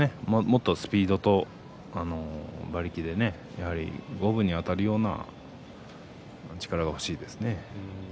もっとスピードと馬力で五分にあたるような力が欲しいところです。